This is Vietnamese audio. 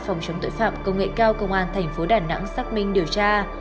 phòng chống tội phạm công nghệ cao công an tp đà nẵng xác minh điều tra